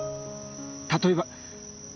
例えば。